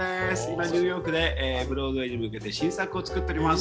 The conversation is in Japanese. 今ニューヨークでブロードウェイに向けて新作を作っております。